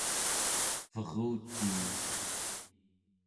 verutii